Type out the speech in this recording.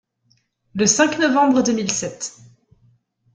Le cinq novembre deux mille sept.